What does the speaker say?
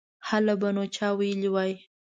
هله به نو چا ویلي وای.